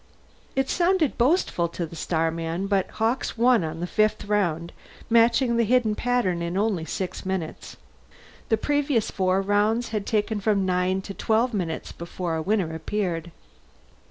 It sounded boastful to the starman, but Hawkes won on the fifth round, matching the hidden pattern in only six minutes. The previous four rounds had taken from nine to twelve minutes before a winner appeared.